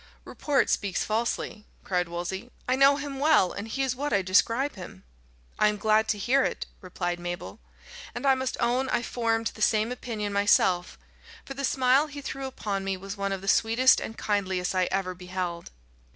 "Report speaks falsely," cried Wolsey; "I know him well, and he is what I describe him." "I am glad to hear it," replied Mabel; "and I must own I formed the same opinion myself for the smile he threw upon me was one of the sweetest and kindliest I ever beheld."